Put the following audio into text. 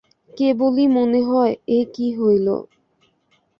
কেবলই মনে হয়, এ কী হইল!